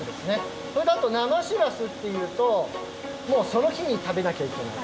それであとなましらすっていうともうそのひに食べなきゃいけない。